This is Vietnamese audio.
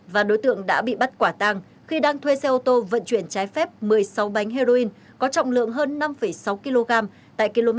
và đối tượng đã bị bắt quả tàng khi đang thuê xe ô tô vận chuyển trái phép một mươi sáu bánh heroin có trọng lượng hơn năm sáu kg tại km chín mươi bốn bốn trăm linh